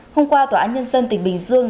hôm qua tòa án nhân dân tỉnh bình dương